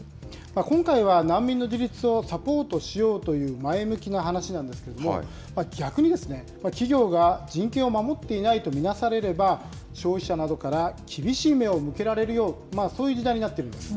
今回は、難民の自立をサポートしようという前向きな話なんですけれども、逆にですね、企業が人権を守っていないと見なされれば、消費者などから厳しい目を向けられるような、そういう時代になってきているんです。